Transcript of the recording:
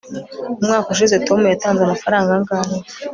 umwaka ushize tom yatanze amafaranga angahe